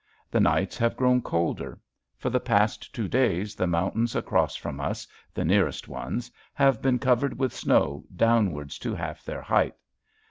The nights have grown colder. For the past two days the mountains across from us, the nearest ones, have been covered with snow downwards to half their height.